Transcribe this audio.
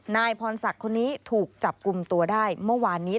นายพรศักดิ์คนนี้ถูกจับกลุ่มตัวได้เมื่อวานนี้